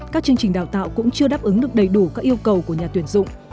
các chương trình đào tạo cũng chưa đáp ứng được đầy đủ các yêu cầu của nhà tuyển dụng